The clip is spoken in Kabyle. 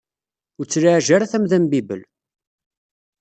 Ur tlaɛaj ara tamda n bibel!